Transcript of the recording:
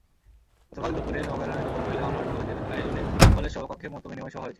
গতকাল দুপুরে নওগাঁর রানীনগর মহিলা অনার্স কলেজের আয়োজনে কলেজ সভাকক্ষে মতবিনিময় সভা হয়েছে।